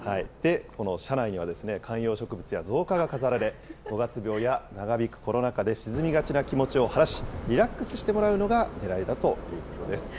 この車内には、観葉植物や造花が飾られ、五月病や長引くコロナ禍で沈みがちな気持ちを晴らし、リラックスしてもらうのがねらいだということです。